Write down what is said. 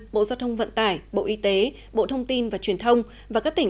bộ giao thông vận tải bộ y tế bộ thông tin và truyền thông và các tỉnh